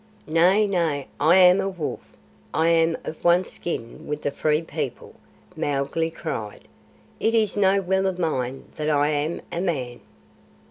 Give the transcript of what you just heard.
"Nay, nay, I am a wolf. I am of one skin with the Free People," Mowgli cried. "It is no will of mine that I am a man."